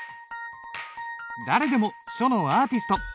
誰でも書のアーティスト！